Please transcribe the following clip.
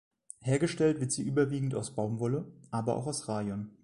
Hergestellt wird sie überwiegend aus Baumwolle, aber auch aus Rayon.